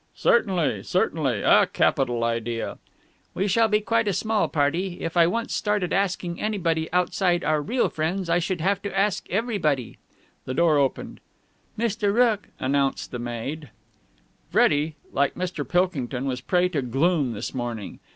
"Certainly, certainly. A capital idea." "We shall be quite a small party. If I once started asking anybody outside our real friends, I should have to ask everybody." The door opened. "Mr. Rooke," announced the maid. Freddie, like Mr. Pilkington, was a prey to gloom this morning.